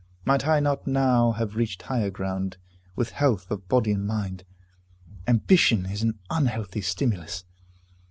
Might I not now have reached higher ground, with health of body and mind? Ambition is an unhealthy stimulus.